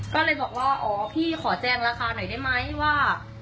ก็เลยบอกว่าอ๋อพี่ขอแจงราคาหน่อยได้ไหมว่า